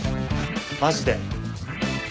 マジで。